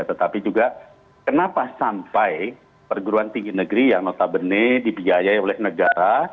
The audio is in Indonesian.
tetapi juga kenapa sampai perguruan tinggi negeri yang notabene dibiayai oleh negara